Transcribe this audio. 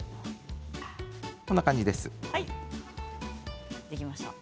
こんな感じです。